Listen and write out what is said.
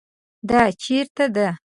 دا چیرته ده؟